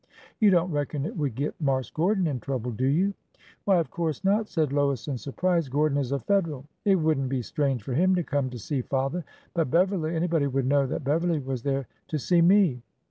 '' You don't reckon it would git Marse Gordon in trouble, do you ?"'' Why, of course not," said Lois, in surprise. '' Gor don is a Federal. It would n't be strange for him to come to see father. But Beverly, — anybody would know that Beverly was there to see me."